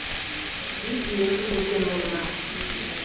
Вич иетым вучен улына